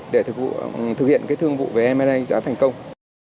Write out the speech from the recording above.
để thực hiện cái thương vụ về m a giá thành công